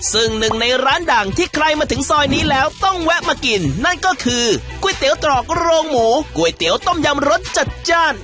ซึ่งหนึ่งในร้านดังที่ใครมาถึงซอยนี้แล้วต้องแวะมากินนั่นก็คือก๋วยเตี๋ยวตรอกโรงหมูก๋วยเตี๋ยวต้มยำรสจัดจ้าน